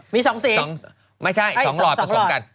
มี๒สีให้๒รอดพร้อมกันไม่ใช่๒รอด